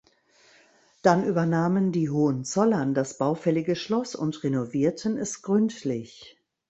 Dann übernahmen die Hohenzollern das baufällige Schloss und renovierten es gründlich.